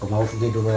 kamu mau pergi dulu ya